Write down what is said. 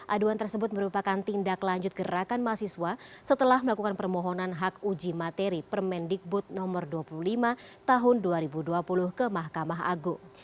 aduan tersebut merupakan tindak lanjut gerakan mahasiswa setelah melakukan permohonan hak uji materi permendikbud no dua puluh lima tahun dua ribu dua puluh ke mahkamah agung